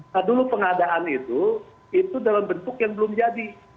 nah dulu pengadaan itu itu dalam bentuk yang belum jadi